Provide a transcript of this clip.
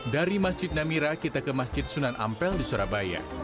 dari masjid namira kita ke masjid sunan ampel di surabaya